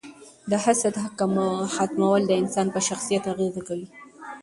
د حسد ختمول د انسان په شخصیت اغیزه کوي.